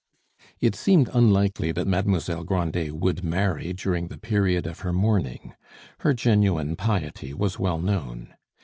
It seemed unlikely that Mademoiselle Grandet would marry during the period of her mourning. Her genuine piety was well known.